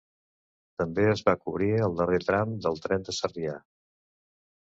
També es va cobrir el darrer tram del tren de Sarrià.